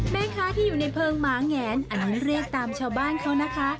แม่ค้าที่อยู่ในเพลิงหมาแงนอันนั้นเรียกตามชาวบ้านเขานะคะ